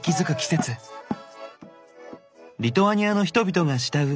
リトアニアの人々が慕う